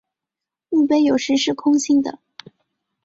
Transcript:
墓碑有时是空心的。